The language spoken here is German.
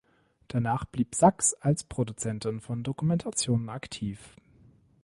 Danach blieb Saks als Produzentin von Dokumentationen aktiv.